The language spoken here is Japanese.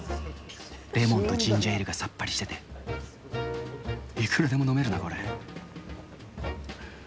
レモンとジンジャーエールがさっぱりしてて、いくらでも飲めるな、これ。